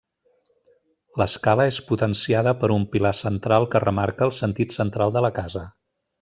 L'escala és potenciada per un pilar central que remarca el sentit central de la casa.